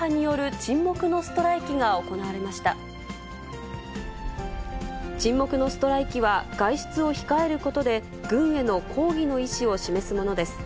沈黙のストライキは外出を控えることで、軍への抗議の意思を示すものです。